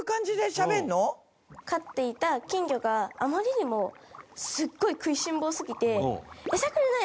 飼っていた金魚があまりにもすごい食いしん坊すぎて餌くれない？